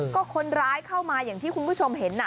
ก็คนร้ายเข้ามาอย่างที่คุณผู้ชมเห็น